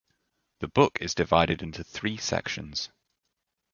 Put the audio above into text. The book is divided into three sections.